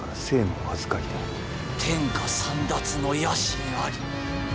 天下簒奪の野心あり。